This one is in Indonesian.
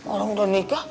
orang udah nikah